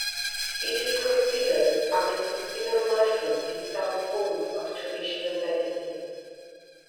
It is considered a medicinal mushroom in some forms of traditional medicine.